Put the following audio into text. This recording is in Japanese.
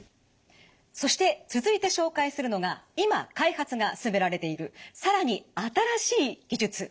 そして続いて紹介するのが今開発が進められている更に新しい技術。